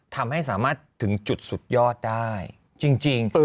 ทำให้สามารถถึงจุดสุดยอดได้จริง